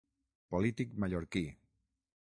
Polític mallorquí.